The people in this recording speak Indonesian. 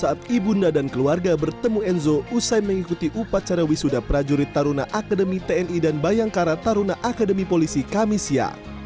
saat ibunda dan keluarga bertemu enzo usai mengikuti upacara wisuda prajurit taruna akademi tni dan bayangkara taruna akademi polisi kamisya